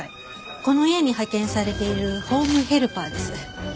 この家に派遣されているホームヘルパーです。